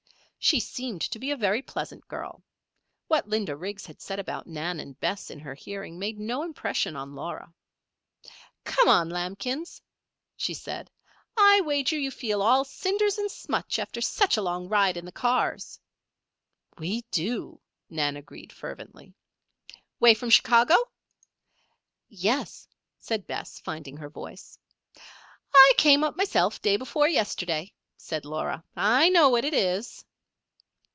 She seemed to be a very pleasant girl. What Linda Riggs had said about Nan and Bess in her hearing made no impression on Laura. "Come on, lambkins," she said. "I wager you feel all cinders and smutch after such a long ride in the cars." "We do," Nan agreed fervently. "'Way from Chicago?" "Yes," said Bess, finding her voice. "I came up myself day before yesterday," said Laura. "I know what it is."